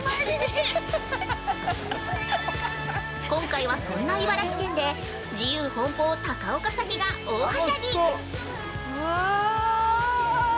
今回は、そんな茨城県で、自由奔放・高岡早紀が大はしゃぎ。